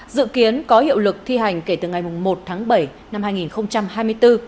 dự kiến có hiệu lực thi hành kể từ ngày một tháng bảy năm hai nghìn hai mươi bốn